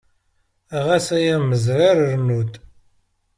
Ɣas ay amezrar rnu-d.